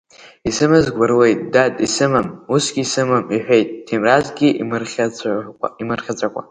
Исымаз гәарлеит, дад, исымам усгьы исымам, — иҳәеит Ҭемразгьы имырхьаацәакәа.